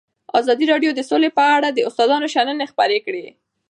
ازادي راډیو د سوله په اړه د استادانو شننې خپرې کړي.